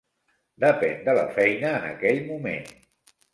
Depèn de la feina en aquell moment.